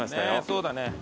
そうだね。